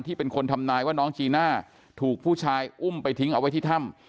เป็นคนทำนายว่าน้องจีน่าถูกผู้ชายอุ้มไปทิ้งเอาไว้ที่ถ้ำ